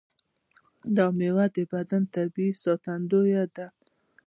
دا میوه د بدن طبیعي ساتندوی ده.